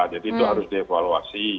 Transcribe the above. jadi itu harus dievaluasi